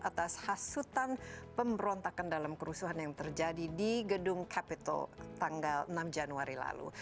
atas hasutan pemberontakan dalam kerusuhan yang terjadi di gedung capitol tanggal enam januari lalu